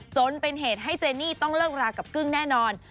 จนเป็นเหตุให้เจนี่ต้องเลิกรากับกึ้งแน่นอน